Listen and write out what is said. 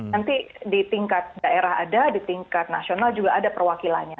nanti di tingkat daerah ada di tingkat nasional juga ada perwakilannya